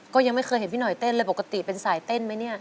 ก็ยังไม่เคยเห็นพี่หน่อยเต้นเลยปกติเป็นสายเต้นไหมเนี่ย